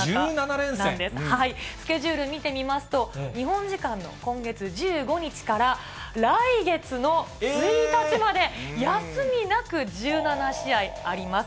スケジュール、見てみますと、日本時間の今月１５日から来月の１日まで、休みなく１７試合あります。